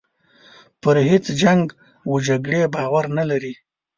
پر هیچ جنګ و جګړې باور نه لري.